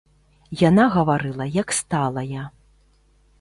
Яна гаварыла, як сталая.